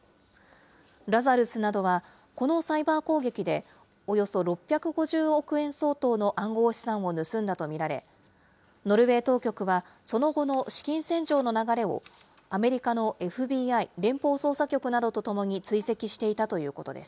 ラザルスなどは、このサイバー攻撃でおよそ６５０億円相当の暗号資産を盗んだと見られ、ノルウェー当局はその後の資金洗浄の流れを、アメリカのＦＢＩ・連邦捜査局などとともに追跡していたということです。